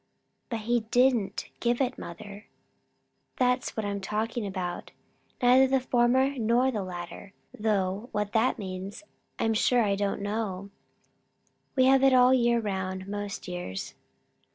'" "But he didn't give it, mother; that's what I'm talking about; neither the former nor the latter; though what that means, I'm sure I don't know; we have it all the year round, most years."